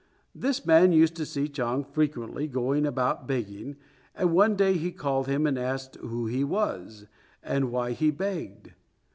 This man used to see Chang frequently going about begging, and one day he called him and asked who he was, and why he begged.